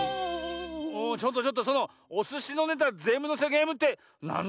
ちょっとちょっとそのおすしのネタぜんぶのせゲームってなんだいそれ？